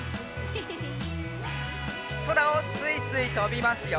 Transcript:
そらをすいすいとびますよ。